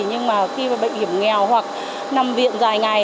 nhưng mà khi bệnh hiểm nghèo hoặc nằm viện dài ngày